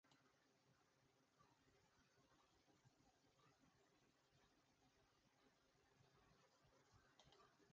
Together Danz and Hieronymus read the (linguistically challenging) Zohar.